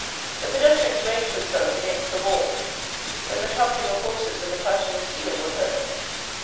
The pedestrians ranged themselves against the walls; then the trampling of horses and the clashing of steel were heard.